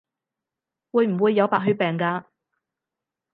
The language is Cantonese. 會唔會有白血病㗎？